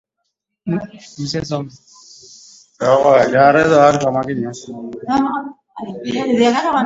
Alisema mjumbe wa Umoja wa Afrika, Mohamed Lebatt katika mkutano wa pamoja na waandishi wa habari mjini Khartoum.